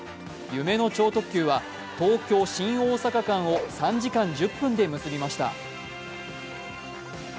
夢の超特急は東京−新大阪間を３時間１０分で結びました。